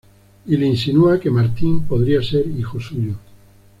Y le insinúa que Martín podría ser hijo suyo.